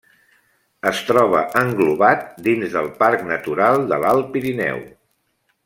Es troba englobat dins del Parc Natural de l’Alt Pirineu.